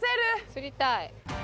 釣りたい。